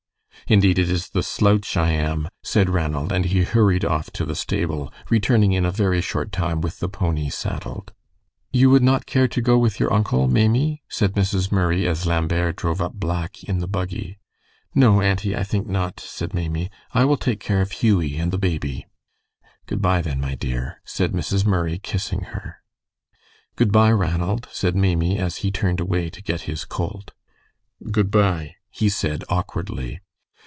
"Indeed, it is the slouch I am," said Ranald, and he hurried off to the stable, returning in a very short time with the pony saddled. "You would not care to go with your uncle, Maimie?" said Mrs. Murray, as Lambert drove up Black in the buggy. "No, auntie, I think not," said Maimie. "I will take care of Hughie and the baby." "Good by, then, my dear," said Mrs. Murray, kissing her. "Good by, Ranald," said Maimie, as he turned away to get his colt. "Good by," he said, awkwardly.